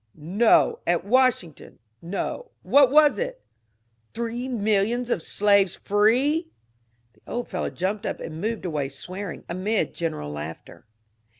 "No, at Washing ton." « No ; what was it ?"" Three millions of slaves free !" The old fellow jumped up and moved away swearing, amid general laughter.